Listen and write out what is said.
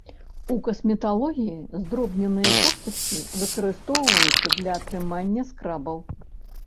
У касметалогіі здробненыя костачкі выкарыстоўваюцца для атрымання скрабаў.